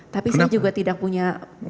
tapi saya juga tidak punya